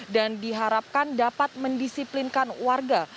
dan diharapkan dapat mendisiplinkan warga